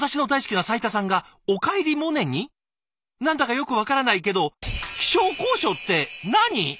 なんだかよくわからないけど気象考証って何？」。